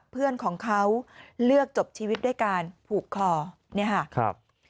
เพื่อนของเขาเลือกจบชีวิตด้วยการผูกคอเนี่ยค่ะครับ